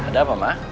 iya ada apa ma